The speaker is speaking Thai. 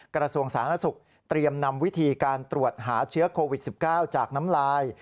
กระทรวงสาธารณสุขเตรียมนำวิธีการตรวจหาเชื้อโควิด๑๙จากน้ำลาย